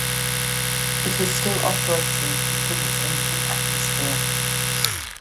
It is still operating keeping its ancient atmosphere.